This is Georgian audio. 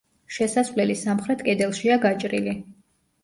შესასვლელი სამხრეთ კედელშია გაჭრილი.